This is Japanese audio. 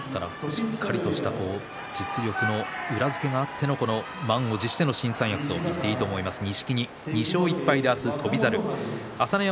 実力の裏付けがあっての満を持しての新三役と言っていいと思います錦木。